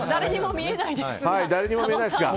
誰にも見えないですが。